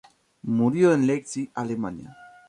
Murió en Leipzig, Alemania.